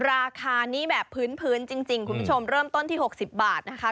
ราคานี้แบบพื้นจริงคุณผู้ชมเริ่มต้นที่๖๐บาทนะคะ